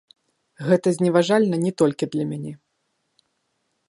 Гэта зневажальна не толькі для мяне.